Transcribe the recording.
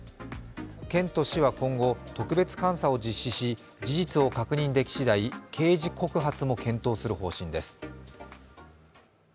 県と市は今後、特別監査を実施し事実を確認できしだい、刑事告発も検討する方針です。